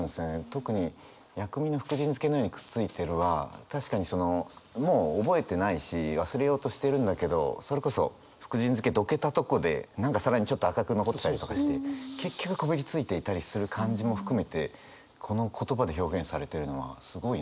特に「薬味の福神漬のようにくっついている」は確かにそのもう覚えてないし忘れようとしているんだけどそれこそ福神漬どけたとこで何か更にちょっと赤く残ってたりとかして結局こびりついていたりする感じも含めてこの言葉で表現されてるのはすごいなと思いますね。